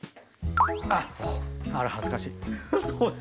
あっあら恥ずかしい。